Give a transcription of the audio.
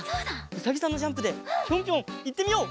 うさぎさんのジャンプでぴょんぴょんいってみよう！